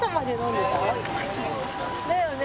だよね。